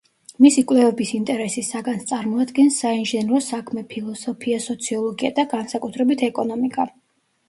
მისი კვლევების ინტერესის საგანს წარმოადგენს საინჟინრო საქმე, ფილოსოფია, სოციოლოგია და განსაკუთრებით ეკონომიკა.